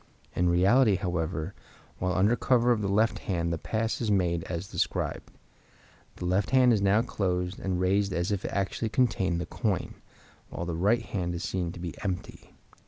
In reality, however, while under cover of the left hand the pass is made as described. The left hand is now closed and raised as if it actually contained the coin, while the right hand is seen to be empty.